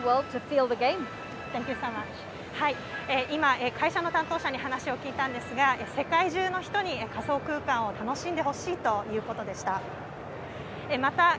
今、会社の担当者に話を聞いたんですが、世界中の人に仮想空間を楽しんでほしいということでした。